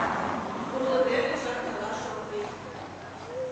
Пурлыде гычак нелаш ок лий.